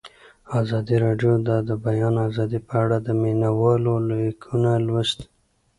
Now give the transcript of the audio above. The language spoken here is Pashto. ازادي راډیو د د بیان آزادي په اړه د مینه والو لیکونه لوستي.